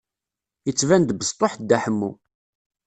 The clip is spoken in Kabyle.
Yettban-d besṭuḥ Dda Ḥemmu.